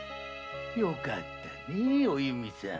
よかったねぇお弓さん。